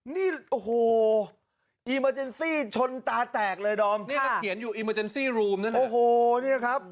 นี่โอ้โหอิมเจนซี่ชนตาแตกเลยนี่